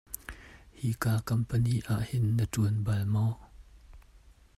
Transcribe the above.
Hika campani ah hin na ttuan bal maw?